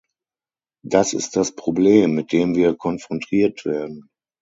Das ist das Problem, mit dem wir konfrontiert werden.